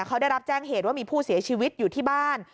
เขาได้รับแจ้งเหตุว่ามีผู้เสียชีวิตอยู่ที่บ้าน